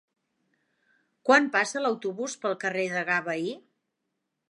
Quan passa l'autobús pel carrer Degà Bahí?